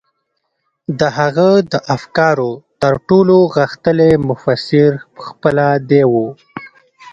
د هغه د افکارو تر ټولو غښتلی مفسر خپله دی و.